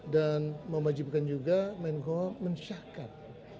dan mewajibkan juga menkumham mensyahkan